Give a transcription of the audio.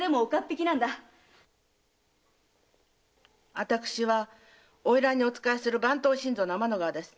あたくしは花魁に仕える番頭新造の「天の川」です。